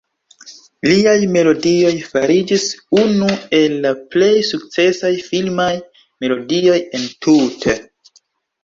Liaj melodioj fariĝis unu el la plej sukcesaj filmaj melodioj entute.